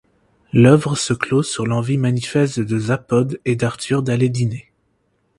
L’œuvre se clôt sur l'envie manifeste de Zaphod et d'Arthur d'aller dîner.